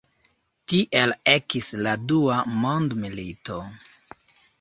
Tiel ekis la Dua mondmilito.